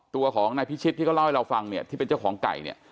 ตัวของนายพิชิตที่เขาเล่าให้เราฟังเนี่ยที่เป็นเจ้าของไก่เนี่ย